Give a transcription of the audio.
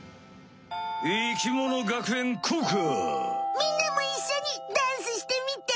みんなもいっしょにダンスしてみて！